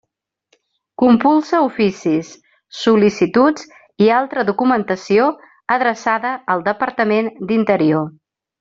Compulsa oficis, sol·licituds i altra documentació adreçada al Departament d'Interior.